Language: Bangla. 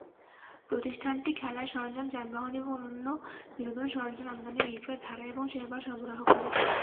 প্রতিষ্ঠানটি খেলার সরঞ্জাম, যানবাহন এবং অন্যান্য বিনোদন সরঞ্জাম আমদানি, বিক্রয়, ভাড়া এবং সেবা সরবরাহ করে।